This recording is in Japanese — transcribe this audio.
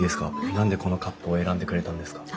何でこのカップを選んでくれたんですか？